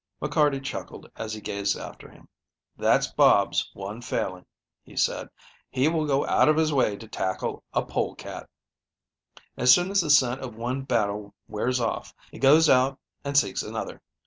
McCarty chuckled as he gazed after him. "That's Bob's one failing," he said. "He will go out of his way to tackle a pole cat. As soon as the scent of one battle wears off he goes out and seeks another.